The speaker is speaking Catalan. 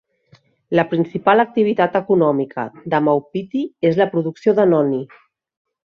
La principal activitat econòmica de Maupiti és la producció de noni.